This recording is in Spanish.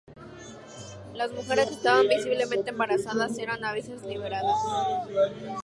Las mujeres que estaban visiblemente embarazadas eran a veces liberadas.